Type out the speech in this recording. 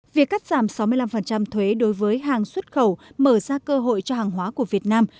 việc cắt giảm sáu mươi năm thuế đối với hàng xuất khẩu mở ra cơ hội cho hàng hóa của việt nam